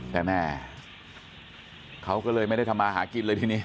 แต่แม่เขาก็เลยไม่ได้ทำมาหากินเลยทีนี้